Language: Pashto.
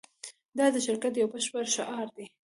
دا د شرکت یو بشپړ شعار دی